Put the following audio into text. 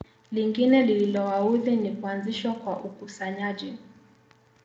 Lingine lililowaudhi ni kuanzishwa kwa ukusanyaji